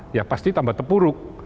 ya pasti tambah terpuruk